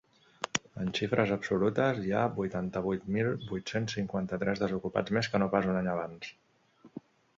En xifres absolutes, hi ha vuitanta-vuit mil vuit-cents cinquanta-tres desocupats més que no pas un any abans.